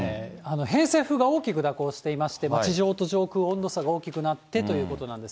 偏西風が大きく蛇行していまして、地上と上空、温度差が大きくなってということですが。